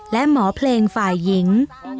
และหมอเพลงฝ่ายหญิง